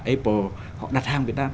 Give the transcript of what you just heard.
apple họ đặt hàng việt nam